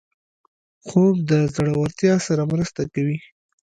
خوب د زړورتیا سره مرسته کوي